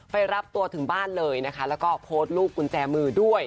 รับตัวถึงบ้านเลยนะคะแล้วก็โพสต์รูปกุญแจมือด้วย